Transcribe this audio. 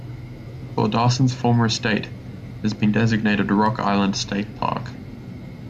Thordarson's former estate has been designated Rock Island State Park.